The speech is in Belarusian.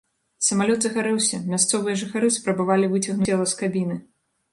Самалёт загарэўся, мясцовыя жыхары спрабавалі выцягнуць цела з кабіны.